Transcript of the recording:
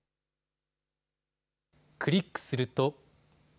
クリックすると。